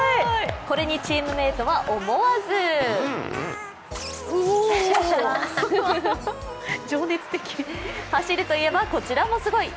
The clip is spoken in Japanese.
これにチームメートは思わず走るといえば、こちらもすごい。